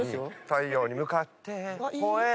「太陽に向かって吠えろ」